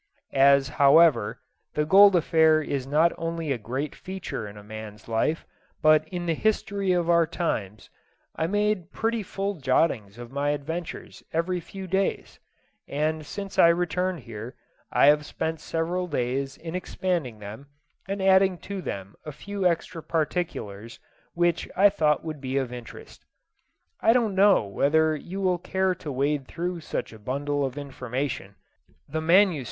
As, however, the gold affair is not only a great feature in a man's life, but in the history of our times, I made pretty full jottings of my adventures every few days; and since I returned here, I have spent several days in expanding them, and adding to them a few extra particulars which I thought would be of interest. I don't know whether you will care to wade through such a bundle of information. The MS.